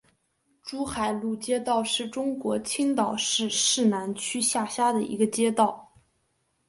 珠海路街道是中国青岛市市南区下辖的一个街道。